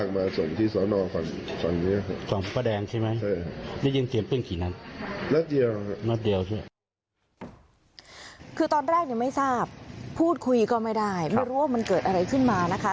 คือตอนแรกไม่ทราบพูดคุยก็ไม่ได้ไม่รู้ว่ามันเกิดอะไรขึ้นมานะคะ